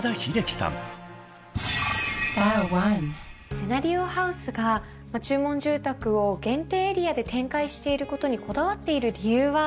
「セナリオハウス」が注文住宅を限定エリアで展開していることにこだわっている理由は何でしょうか？